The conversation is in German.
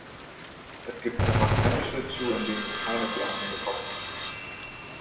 Es gibt einfach keine Schlittschuhe, in denen ich keine Blasen bekomme.